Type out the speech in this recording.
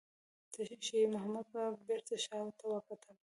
شېرمحمد په بيړه شاته وکتل.